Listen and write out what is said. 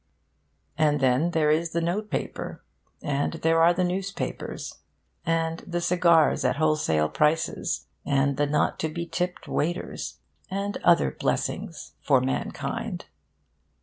And then there is the note paper, and there are the newspapers, and the cigars at wholesale prices, and the not to be tipped waiters, and other blessings for mankind.